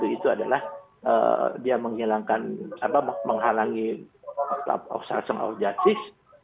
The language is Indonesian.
dua ratus dua puluh satu itu adalah dia menghilangkan apa menghalangi of salsam of justice